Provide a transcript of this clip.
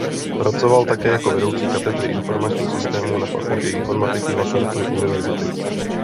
Pracoval také jako vedoucí Katedry informačních systémů na Fakultě informatiky Masarykovy univerzity.